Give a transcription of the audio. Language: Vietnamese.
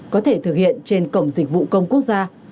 có thể thực hiện trên cổng dịch vụ công quốc gia